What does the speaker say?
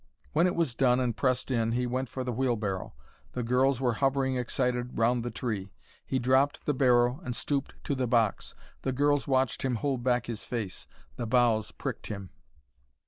When it was done, and pressed in, he went for the wheelbarrow. The girls were hovering excited round the tree. He dropped the barrow and stooped to the box. The girls watched him hold back his face the boughs pricked him.